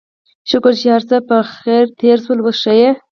شکر چې هرڅه پخير تېر شول، اوس ښه يې؟